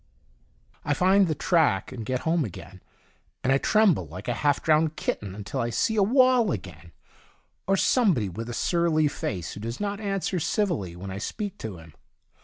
I find the track and get home again, and I tremble like a half drowned kitten until I see a wall again, or somebody with a surly face who does not answer civilly when I speak to him.